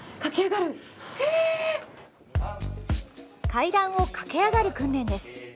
階段を駆け上がる訓練です。